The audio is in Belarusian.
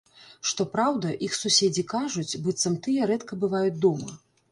Што праўда, іх суседзі кажуць, быццам тыя рэдка бываюць дома.